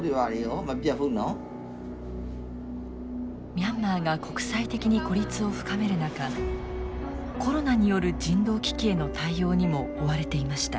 ミャンマーが国際的に孤立を深める中コロナによる人道危機への対応にも追われていました。